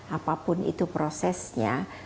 apapun itu prosesnya